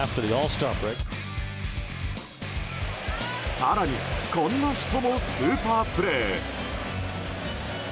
更に、こんな人もスーパープレー。